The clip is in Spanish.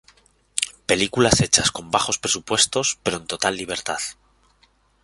Películas hechas con bajos presupuestos, pero en total libertad.